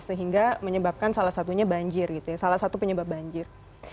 sehingga menyebabkan salah satunya banjir salah satu penyebab banjir